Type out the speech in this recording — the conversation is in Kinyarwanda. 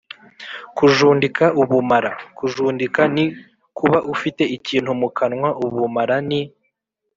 kujundika ubumara: kujundika ni kuba ufite ikintu mu kanwa; ubumara ni